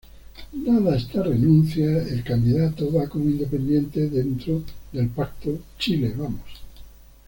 Dada esta renuncia, el candidato va como independiente dentro del pacto Chile Vamos.